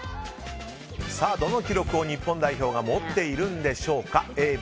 どの記録を日本代表が持っているんでしょうか。